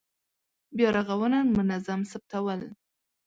بیا رغونه منظم ثبتول.